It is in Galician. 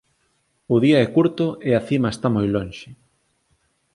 O día é curto e a cima está moi lonxe.